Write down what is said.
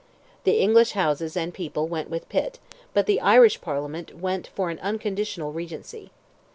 The English Houses and people went with Pitt, but the Irish Parliament went for an unconditional regency.